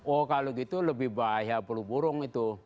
oh kalau gitu lebih bahaya pelu burung itu